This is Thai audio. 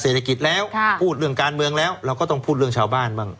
เศรษฐกิจแล้วพูดเรื่องการเมืองแล้วเราก็ต้องพูดเรื่องชาวบ้านบ้าง